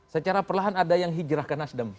secara perlahan ada yang hijrah ke nasdem